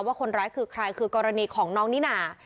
ว่าคนร้ายคือใครคือกรณีของน้องนิน่า